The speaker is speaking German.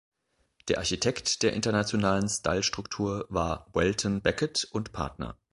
Der Architekt der internationalen Stylestruktur war Welton Becket und Partner.